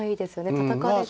たたかれて。